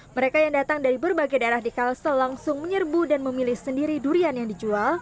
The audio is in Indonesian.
mereka yang datang dari berbagai daerah di kalsel langsung menyerbu dan memilih sendiri durian yang dijual